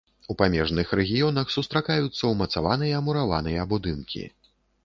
У памежных рэгіёнах сустракаюцца ўмацаваныя мураваныя будынкі.